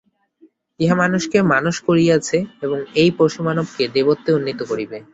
ইহা মানুষকে মানুষ করিয়াছে, এবং এই পশুমানবকে দেবত্বে উন্নীত করিবে।